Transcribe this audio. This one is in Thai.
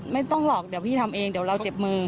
ไม่ต้องหรอกเดี๋ยวพี่ทำเองเดี๋ยวเราเจ็บมือ